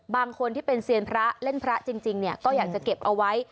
บางคนที่เป็นเซียนพระเล่นพระจริงเนี่ยก็อยากจะเก็บเอาไว้